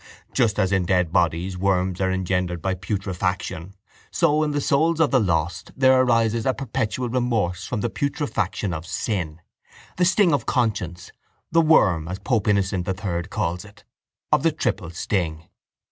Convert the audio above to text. Just as in dead bodies worms are engendered by putrefaction, so in the souls of the lost there arises a perpetual remorse from the putrefaction of sin, the sting of conscience, the worm, as Pope Innocent the Third calls it, of the triple sting.